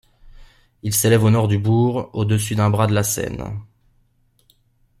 Il s'élève au nord du bourg, au-dessus d'un bras de la Seine.